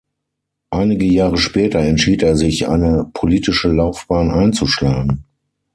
Einige Jahre später entschied er sich eine politische Laufbahn einzuschlagen.